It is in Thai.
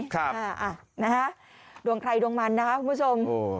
ค่ะนะฮะดวงใครดวงมันนะคะคุณผู้ชม